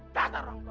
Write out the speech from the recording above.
datar orang tua